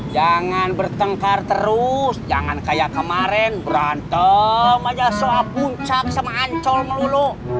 jangan bertengkar terus jangan kayak kemarin berantem aja soal puncak sama ancol melulu